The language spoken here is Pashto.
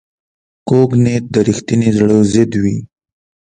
کوږ نیت د رښتیني زړه ضد وي